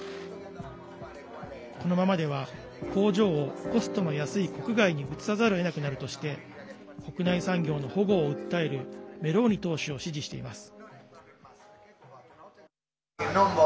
このままでは工場をコストの安い国外に移さざるをえなくなるとして国内産業の保護を訴えるメローニ党首を支持しています。